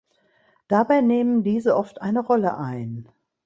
Dabei nehmen diese oft eine Rolle ein.